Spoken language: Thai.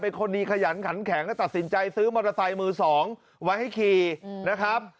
คนดีขยันขันแข็งและตัดสินใจซื้อมอเตอร์ไซค์มือสองไว้ให้ขี่นะครับ